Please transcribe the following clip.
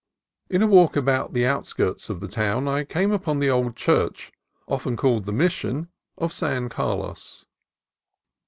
In a walk about the outskirts of the town I came upon the old church, often called the Mission, of San Carlos.